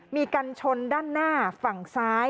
มีกันชนด้านหน้าฝั่งซ้าย